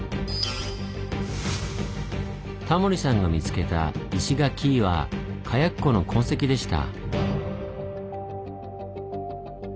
タモリさんが見つけた「石垣イ」は火薬庫の痕跡でした。